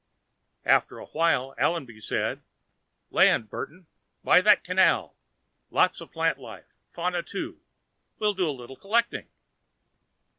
After a while, Allenby said, "Land, Burton. By that 'canal.' Lots of plant life fauna, too. We'll do a little collecting."